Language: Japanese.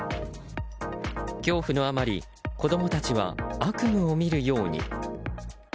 恐怖のあまり子供たちは悪夢を見るように。